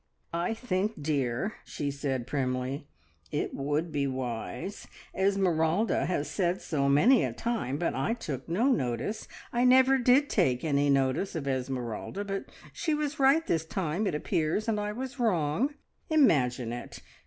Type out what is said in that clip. "I think, dear," she said primly, "it would be wise. Esmeralda has said so many a time, but I took no notice. I never did take any notice of Esmeralda, but she was right this time, it appears, and I was wrong. Imagine it!